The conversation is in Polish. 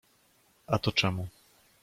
A to czemu?